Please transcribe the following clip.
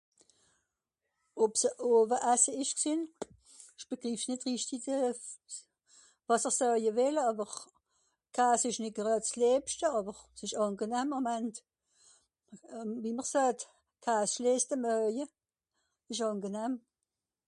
Je ne comprends pas vraiment ce que vous voulez dire mais le fromage c'est pas ce que je préfère, mais c'est agréable Comme on dit : le fromage clos le repas. C est agréable